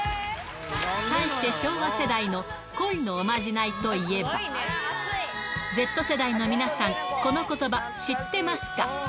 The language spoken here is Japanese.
対して昭和世代の恋のおまじないといえば、Ｚ世代の皆さん、このことば、知ってますか？